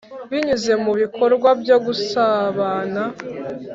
Binyuze mu bikorwa byo gusabana